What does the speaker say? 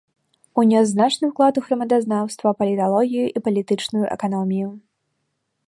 Унёс значны ўклад у грамадазнаўства, паліталогію і палітычную эканомію.